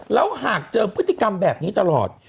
แล้วหากเจอพฤติกรรมแบบนี้ตลอด